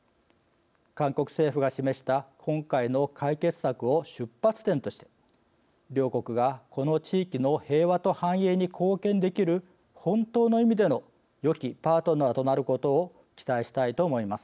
韓国政府が示した今回の解決策を出発点として、両国がこの地域の平和と繁栄に貢献できる本当の意味でのよきパートナーとなることを期待したいと思います。